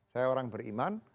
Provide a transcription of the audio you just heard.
saya orang beriman